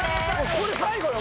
これで最後よ